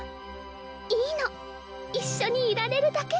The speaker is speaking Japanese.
いいの一緒にいられるだけで